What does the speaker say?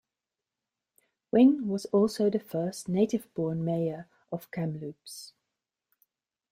Wing was also the first native-born mayor of Kamloops.